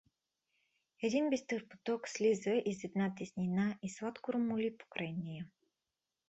Един бистър поток слиза из една теснина и сладко ромоли покрай нея.